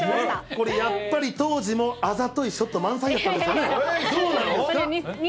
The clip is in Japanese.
これ、やっぱり当時もあざといショット満載だったんですよね。